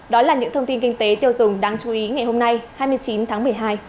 đó là những thông tin kinh tế tiêu dùng đáng chú ý ngày hôm nay hai mươi chín tháng một mươi hai